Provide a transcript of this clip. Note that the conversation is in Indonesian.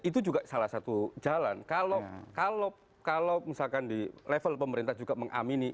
itu juga salah satu jalan kalau misalkan di level pemerintah juga mengamini